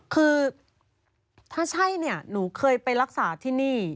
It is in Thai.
คือถ้าใช่เนี่ยหนูเคยไปรักษาที่นี่